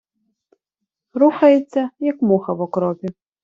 Рухається, як муха в окропі.